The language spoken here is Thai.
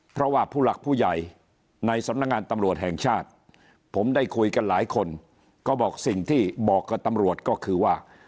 เพราะว่าผู้หลักผู้ใหญ่ในสำนักงานตำรวจแห่งชาติผมได้คุยกันหลายคนก็บอกสิ่งที่บอกกับตำรวจก็คือว่า